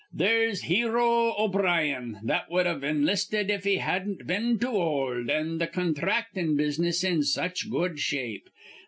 There's Hero O'Brien, that wud've inlisted if he hadn't been too old, an' th' contractin' business in such good shape.